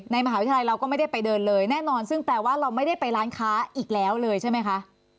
มหาวิทยาลัยเราก็ไม่ได้ไปเดินเลยแน่นอนซึ่งแปลว่าเราไม่ได้ไปร้านค้าอีกแล้วเลยใช่ไหมคะ